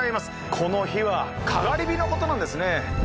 この火はかがり火のことなんですね。